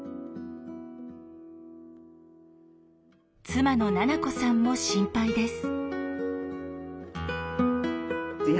妻の奈々子さんも心配です。